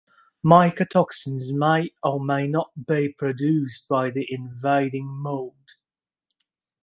Mycotoxins may or may not be produced by the invading mold.